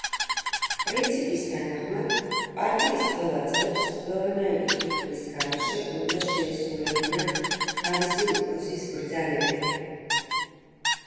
პრინციპის თანახმად, პარტიის ყველა წევრს ყველანაირი კითხვის გარეშე უნდა შეესრულებინა თავისი უფროსის ბრძანებები.